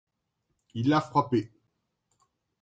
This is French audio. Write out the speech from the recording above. Il l’a frappé.